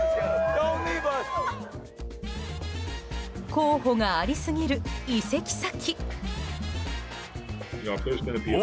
候補がありすぎる移籍先。